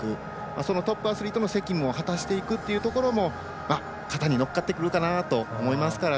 そのトップアスリートの責務を果たしていくというところも肩に乗っかってくるかなと思いますから。